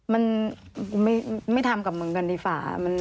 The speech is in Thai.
มันไม่ทำกับเหมือนกันดีฟ้า